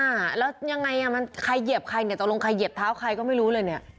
อ่าแล้วยังไงอ่ะมันใครเหยียบใครเนี่ยตกลงใครเหยียบเท้าใครก็ไม่รู้เลยเนี่ย